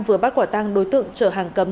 vừa bắt quả tăng đối tượng chở hàng cấm